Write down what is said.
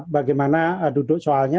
bagaimana duduk soalnya